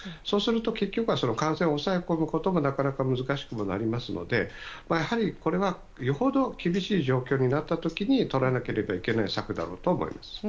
そうすると、結局は感染を抑え込むこともなかなか難しくもなりますのでやはり、これはよほど厳しい状況になった時にとらなければいけない策だろうと思います。